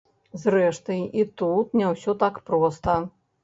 Зрэшты, і тут не ўсё так проста.